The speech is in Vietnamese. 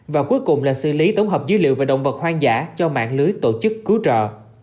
và cuối cùng là xử lý tổng hợp dữ liệu về động vật hoang dã cho mạng lưới tổ chức cứu trợ